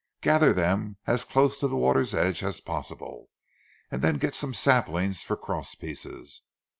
Gather them as close to the water's edge as possible, and then get some saplings for cross pieces.